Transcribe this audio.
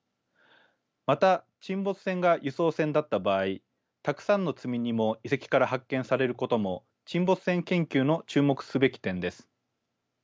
また沈没船が輸送船だった場合たくさんの積み荷も遺跡から発見されることも沈没船研究の注目すべき点です。